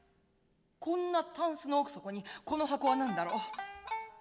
こんなタンスの奥底にこの箱は何だろう？